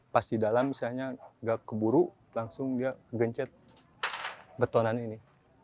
pas di dalam misalnya gak keburu langsung dia gencet betonan ini